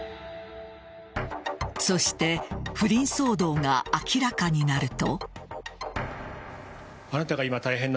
そして不倫騒動が明らかになると。